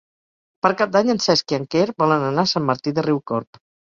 Per Cap d'Any en Cesc i en Quer volen anar a Sant Martí de Riucorb.